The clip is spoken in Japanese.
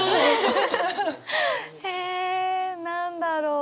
え何だろう。